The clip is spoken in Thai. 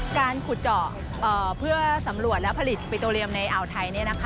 การขุดเจาะเพื่อสำรวจและผลิตปิโตเรียมในอ่าวไทย